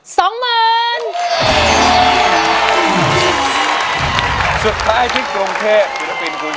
สองหมื่น